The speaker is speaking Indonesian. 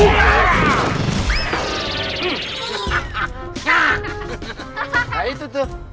nah itu tuh